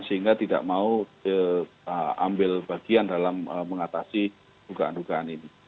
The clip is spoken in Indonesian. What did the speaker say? sehingga tidak mau ambil bagian dalam mengatasi dugaan dugaan ini